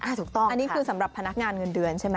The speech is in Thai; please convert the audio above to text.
ถูกต้องอันนี้คือสำหรับพนักงานเงินเดือนใช่ไหม